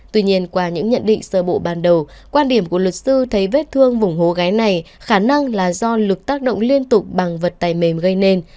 tuy nhiên qua những nhận định sơ bộ ban đầu quan điểm của luật sư thấy vết thương vùng hố ghé này khả năng là do lực tác động liên tục bằng vật tay mềm gây nên